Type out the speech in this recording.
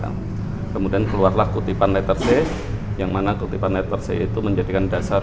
profesinya profesi bh sebagai mantan lura dan nh sebagai ketua pokja ptsn